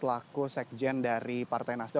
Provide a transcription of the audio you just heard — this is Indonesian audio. laku sekjen dari partai nasdaq